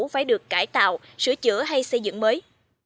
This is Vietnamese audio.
phải được cải tạo sửa chữa hay xây dựng mới